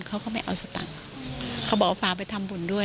เขาก็ไม่เอาสตังค์เขาบอกว่าพาไปทำบุญด้วย